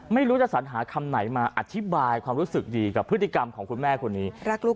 ไม่รู้จะสัญหาคำไหนมาอธิบายความรู้สึกดีกับพฤติกรรมของคุณแม่คนนี้